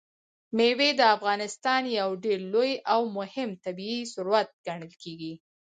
مېوې د افغانستان یو ډېر لوی او مهم طبعي ثروت ګڼل کېږي.